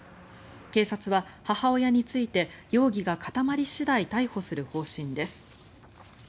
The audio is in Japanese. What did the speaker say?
警察は母親について容疑が固まり次第逮捕する方針です。